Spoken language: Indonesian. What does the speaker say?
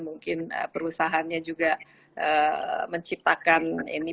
mungkin perusahaannya juga menciptakan ini